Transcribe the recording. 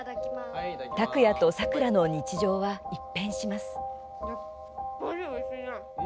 拓哉と咲良の日常は一変します。